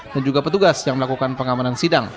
dan juga petugas yang melakukan pengamanan sidang